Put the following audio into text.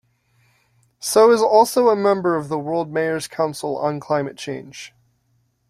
So is also a Member of the World Mayors Council on Climate Change.